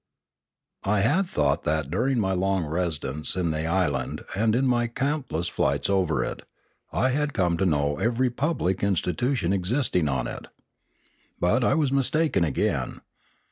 I had thought that, during my long residence in the island and in my countless flights over it, I had come to know every public institution existing on it. But I was mistaken again.